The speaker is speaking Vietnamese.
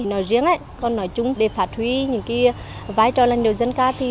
nói riêng còn nói chung để phát huy những cái vai trò làn điệu dân ca